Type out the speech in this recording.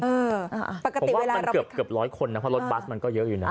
เออเอ่อปกติเวลาเกือบเกือบร้อยคนนะเพราะรถบัสมันก็เยอะอยู่น่ะ